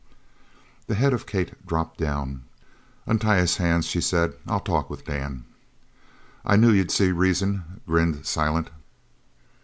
The head of Kate dropped down. "Untie his hands," she said. "I'll talk with Dan." "I knew you'd see reason," grinned Silent.